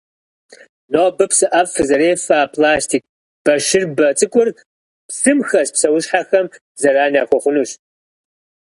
Нобэ псыӏэф фызэрефа пластик бащырбэ цӏыкур, псым хэс псуэщхьэхэм заран яхуэхъунущ.